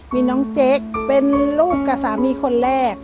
มีน้องเจ๊กเป็นลูกกับสามีคนแรก